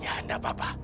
ya enggak apa apa